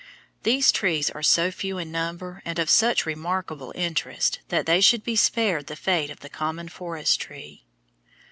These trees are so few in number and of such remarkable interest that they should be spared the fate of the common forest tree.